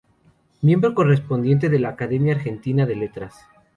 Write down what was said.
Miembro correspondiente de la Academia Argentina de Letras.